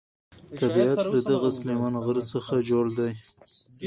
طبیعت له دغه سلیمان غر څخه جوړ دی.